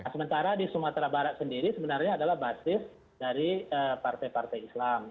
sementara di sumatera barat sendiri sebenarnya adalah basis dari partai partai islam